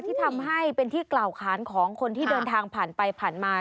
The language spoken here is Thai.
ที่ทำให้เป็นที่กล่าวค้านของคนที่เดินทางผ่านไปผ่านมา